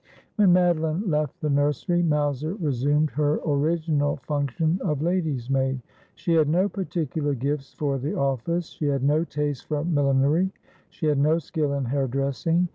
When Madoline left the nursery Mowser resumed her original function of lady's maid. She had no particular gifts for the office. She had no taste for millinery ; she had no skill in hair dressing.